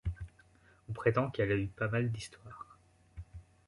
On prétend qu’elle a eu pas mal d’histoires.